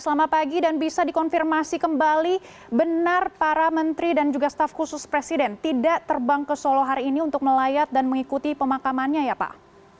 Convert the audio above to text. selamat pagi dan bisa dikonfirmasi kembali benar para menteri dan juga staf khusus presiden tidak terbang ke solo hari ini untuk melayat dan mengikuti pemakamannya ya pak